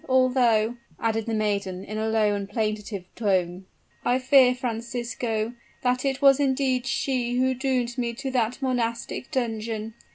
although," added the maiden in a low and plaintive tone, "I fear, Francisco, that it was indeed she who doomed me to that monastic dungeon.